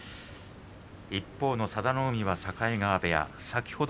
一方の佐田の海は境川部屋。